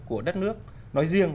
của đất nước nói riêng